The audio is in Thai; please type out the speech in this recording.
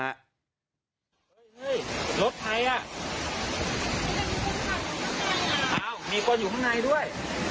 เฮ้ยรถใครอ่ะอ้าวมีคนอยู่ข้างในด้วย